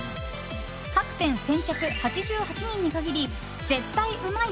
各店先着８８人に限りぜったいうまい！！